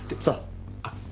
さあ。